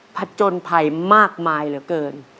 ผจญภัยมากมายเหลือเกิน